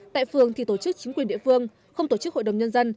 tại phường thì tổ chức chính quyền địa phương không tổ chức hội đồng nhân dân